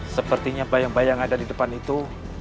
sepertinya bayang bayang ada di depan itu